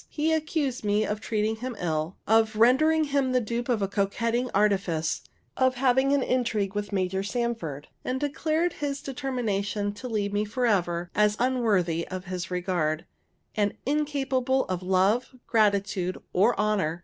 He accused me of treating him ill, of rendering him the dupe of coquetting artifice, of having an intrigue with Major Sanford, and declared his determination to leave me forever, as unworthy of his regard, and incapable of love, gratitude, or honor.